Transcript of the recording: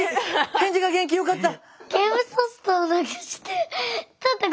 返事が元気よかった！